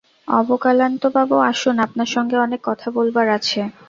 অবলাকান্তবাবু, আসুন, আপনার সঙ্গে অনেক কথা বলবার আছে।